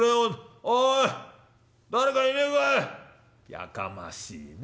「やかましいね